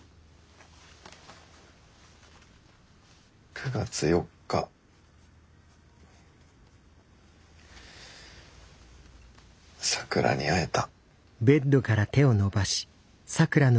９月４日咲良に会えた。